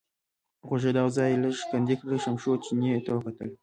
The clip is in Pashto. غوږېده او ځای یې لږ کندې کړ، شمشو چیني ته وکتل.